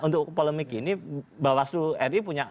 untuk polemik ini bawaslu ri punya